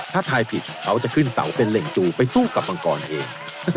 ถ้าทายผิดเขาจะขึ้นเสาเป็นเหล่งจูไปสู้กับมังกรเอง